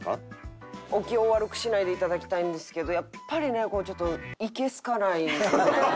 お気を悪くしないでいただきたいんですけどやっぱりねこうちょっと。